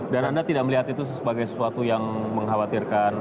dan anda tidak melihat itu sebagai sesuatu yang mengkhawatirkan